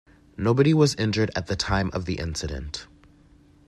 Nobody was injured at the time of the incident.